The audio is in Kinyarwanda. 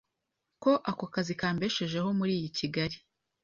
ko ako kazi kambeshejeho muri iyi Kigali